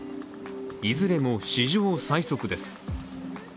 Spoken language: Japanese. いずれも史上最速です。